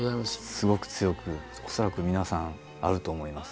すごく強く恐らく皆さんあると思います。